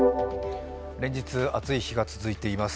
連日、暑い日が続いています